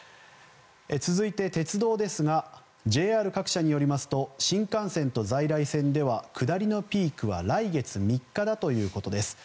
続いて鉄道ですがＪＲ各社によりますと新幹線と在来線では下りのピークは来月３日だということです。